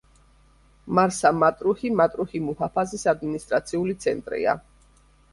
მარსა-მატრუჰი მატრუჰი მუჰაფაზის ადმინისტრაციული ცენტრია.